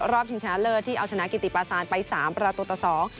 ชิงชนะเลิศที่เอาชนะกิติปาซานไปสามประตูต่อสอง